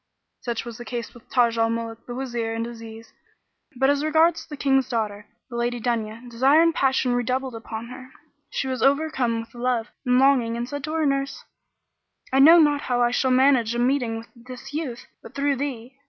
Such was the case with Taj al Muluk, the Wazir and Aziz but as regards the King's daughter, the Lady Dunya, desire and passion redoubled upon her; she was overcome with love and longing and she said to her nurse, "I know not how I shall manage a meeting with this youth, but through thee."